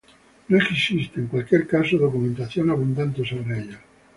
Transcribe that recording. No existe, en cualquier caso, documentación abundante sobre ellos.